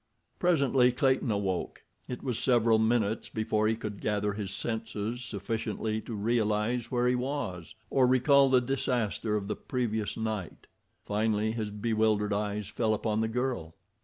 Presently Clayton awoke. It was several minutes before he could gather his senses sufficiently to realize where he was, or recall the disaster of the previous night. Finally his bewildered eyes fell upon the girl.